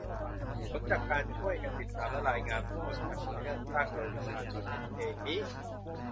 ผลจากการช่วยกันติดตามและรายงานผลจากหน่วยเลือกตั้งโดยประชาชนกันเองนี้